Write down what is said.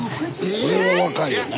これは若いよね。